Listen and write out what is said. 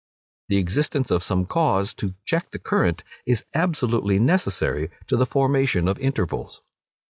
The existence of some cause to check the current, is absolutely necessary to the formation of intervals.